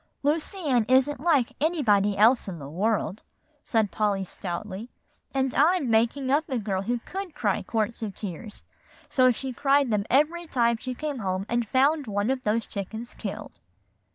"Lucy Ann isn't like anybody else in the world," said Polly stoutly; "and I'm making up a girl who could cry quarts of tears, so she cried them every time she came home and found one of those chickens killed."